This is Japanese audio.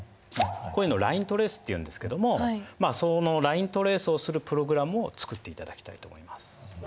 こういうのライントレースっていうんですけどもそのライントレースをするプログラムを作っていただきたいと思います。